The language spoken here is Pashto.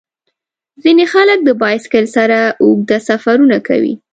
ځینې خلک د بایسکل سره اوږده سفرونه کوي.